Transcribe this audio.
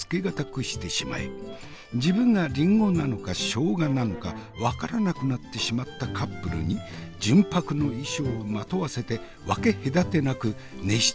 自分がリンゴなのかしょうがなのか分からなくなってしまったカップルに純白の衣装をまとわせて分け隔てなく熱した油で小分けにして揚げてしまえ。